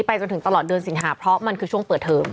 จนถึงตลอดเดือนสิงหาเพราะมันคือช่วงเปิดเทอม